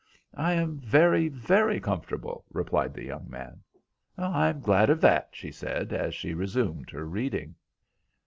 "I am very, very comfortable," replied the young man. "I am glad of that," she said, as she resumed her reading.